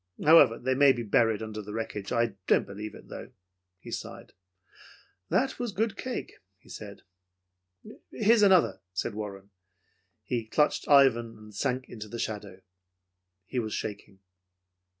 However, they may be buried under the wreckage. I don't believe it, though." He sighed. "That was good cake," he said. "Here's another," said Warren. He clutched Ivan and sunk into the shadow. He was shaking.